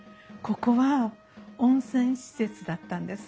ここは温泉施設だったんです。